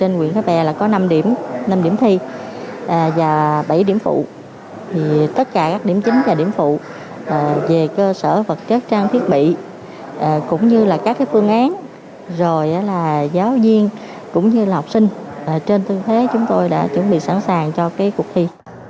rồi là giáo viên cũng như là học sinh trên tư thế chúng tôi đã chuẩn bị sẵn sàng cho cuộc thi